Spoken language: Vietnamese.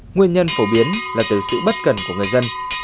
cháy nổ cháy là từ sự bất cần của người dân